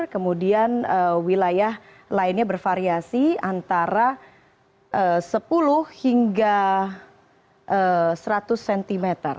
kemudian wilayah lainnya bervariasi antara sepuluh hingga seratus cm